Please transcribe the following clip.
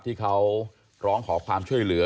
ที่เขาร้องขอความช่วยเหลือ